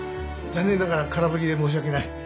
残念ながら空振りで申し訳ない。